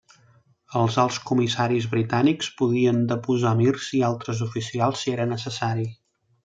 Els Alts Comissaris britànics podien deposar emirs i altres oficials si era necessari.